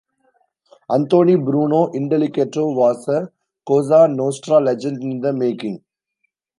Anthony "Bruno" Indelicato was a Cosa Nostra legend in the making.